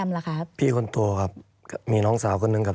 มีพี่ชายกับน้องสาวครับ